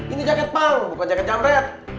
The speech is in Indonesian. ini jaket pump bukan jaket jamret